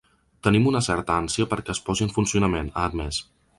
Tenim una certa ànsia perquè es posi en funcionament, ha admès.